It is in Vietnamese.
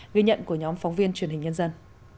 ghi nhận của nhóm phóng viên truyền hình nhân dân